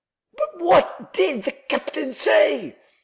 "But what did the captain say?"